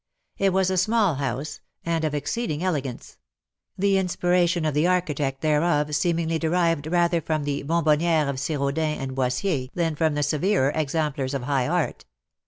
It was a small house^ and of exceeding elegance ; the inspiration of the architect thereof seemingly derived rather from the bonbonnieres of Sirandin and Boissier than from the severer exemplars of high art.